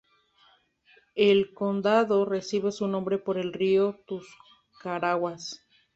El condado recibe su nombre por el Río Tuscarawas.